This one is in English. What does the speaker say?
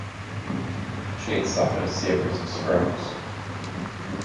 She had suffered a series of strokes.